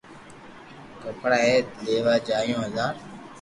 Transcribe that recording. ڪپڙا اپي ليوا جايو بزار